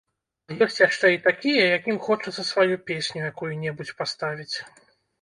А ёсць яшчэ і такія, якім хочацца сваю песню якую-небудзь паставіць.